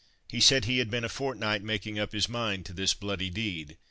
He said he had been a fortnight making up his mind to this bloody deed.